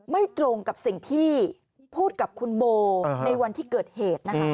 ไม่ตรงกับสิ่งที่พูดกับคุณโบในวันที่เกิดเหตุนะคะ